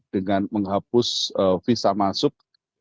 dengan menghapus visa masuk